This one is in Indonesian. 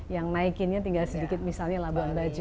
yang naikinnya tinggal sedikit misalnya labuan bajo